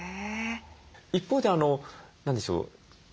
一方で何でしょう